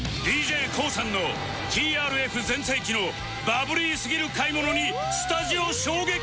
ＤＪＫＯＯ さんの ＴＲＦ 全盛期のバブリーすぎる買い物にスタジオ衝撃！